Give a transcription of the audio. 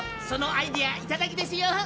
そのアイデアいただきですよ！